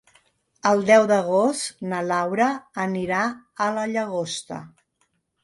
El deu d'agost na Laura anirà a la Llagosta.